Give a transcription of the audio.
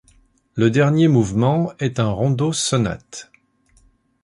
Le dernier mouvement est un rondo sonate.